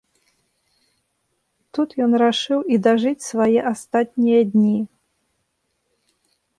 Тут ён рашыў і дажыць свае астатнія дні.